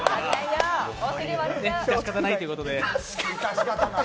いたしかたないということで。